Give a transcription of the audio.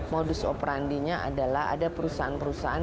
modus operandinya adalah ada perusahaan perusahaan